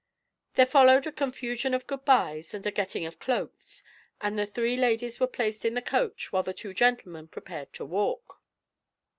There followed a confusion of good byes and a getting of cloaks, and the three ladies were placed in the coach while the two gentlemen prepared to walk.